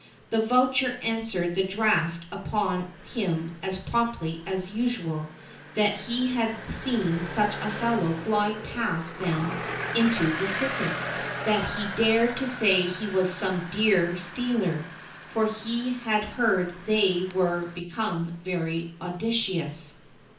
The voucher answered the draft upon him as promptly as usual, that he had seen such a fellow glide past them into the thicket—that he dared to say he was some deer stealer, for he had heard they were become very audacious.